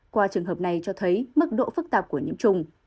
qua trường hợp này cho thấy mức độ phức tạp của nhiễm trùng